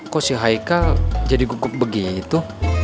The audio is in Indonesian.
kok si haika jadi gugup begitu